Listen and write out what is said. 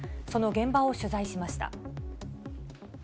その現場を取材しました。